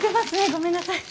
ごめんなさい。